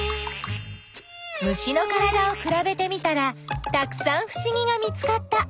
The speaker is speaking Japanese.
虫のからだをくらべてみたらたくさんふしぎが見つかった。